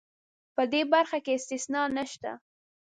په دې برخه کې استثنا نشته.